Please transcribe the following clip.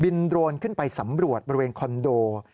โดรนขึ้นไปสำรวจบริเวณคอนโด